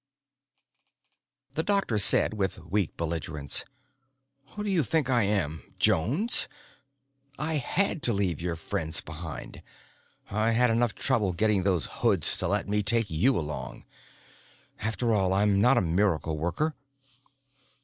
11 THE doctor said with weak belligerence, "Who do you think I am? Jones? I had to leave your friends behind. I had enough trouble getting those hoods to let me take you along. After all, I'm not a miracle worker."